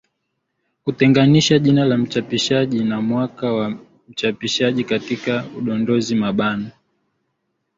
Kutenganisha jina la mchapishaji na mwaka wa uchapishaji katika udondozi mabano